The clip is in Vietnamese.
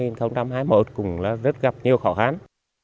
năm hai nghìn một cũng là rất gặp nhiều khó khăn